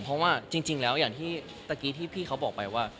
เพราะว่าจริงแล้วอย่างที่ตะกี้ที่พี่เขาบอกไปว่า